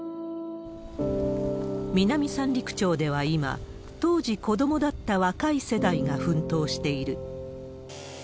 南三陸町では今、当時子どもだった若い世代が奮闘している。